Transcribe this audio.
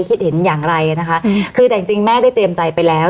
คิดเห็นอย่างไรนะคะคือแต่จริงแม่ได้เตรียมใจไปแล้ว